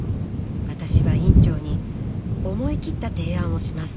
私は院長に思い切った提案をします。